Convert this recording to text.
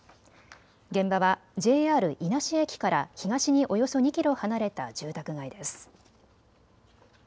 現場はＪＲ伊那市駅から東におよそ２キロ離れた住宅街です。